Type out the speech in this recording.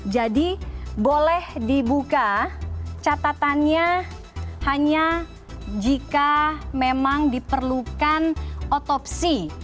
jadi boleh dibuka catatannya hanya jika memang diperlukan otopsi